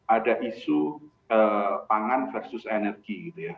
ada isu pangan versus energi gitu ya